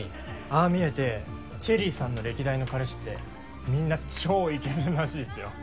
ああ見えてチェリーさんの歴代の彼氏ってみんな超イケメンらしいっすよ。